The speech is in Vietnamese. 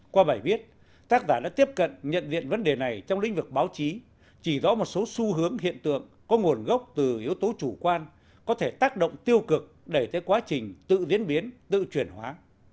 qua bài viết tác giả đã tiếp cận nhận diện vấn đề này trong lĩnh vực báo chí chỉ rõ một số xu hướng hiện tượng có nguồn gốc từ yếu tố chủ quan có thể tác động tiêu cực đẩy tới quá trình tự diễn biến tự chuyển hóa